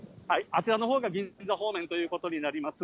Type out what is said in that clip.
あちらのほうが銀座方面ということになります。